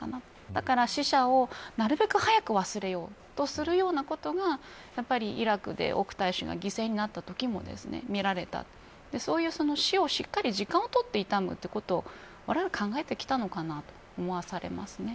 だから、死者をなるべく早く忘れようとするようなことがやっぱりイラクで大使が犠牲になったときも見られたそういう、市をしっかり時間を取って悼むということをわれわれは、考えてきたのかなと思わされますね。